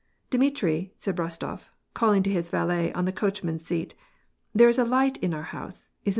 "Dmitri," said Rostof, calling to his valet on the coachmen's seat, "There's a light in our house, isn't there